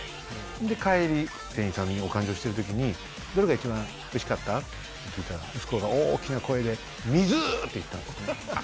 で帰りお勘定してる時にどれが一番おいしかった？って聞いたら息子が大きな声で「水！」って言ったんですね。